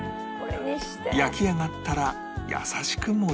焼き上がったら優しく盛り付け